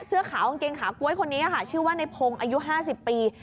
เสื้อขาวกางเกงขาก๊วยคนนี้ค่ะชื่อว่าในพงศ์อายุ๕๐ปี